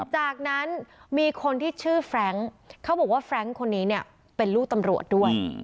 จากนั้นมีคนที่ชื่อแฟรงค์เขาบอกว่าแฟรงค์คนนี้เนี่ยเป็นลูกตำรวจด้วย